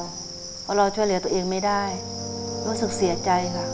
เพราะเราช่วยเหลือตัวเองไม่ได้รู้สึกเสียใจค่ะ